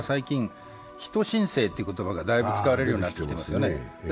人新世という言葉が最近使われるようになってますよね。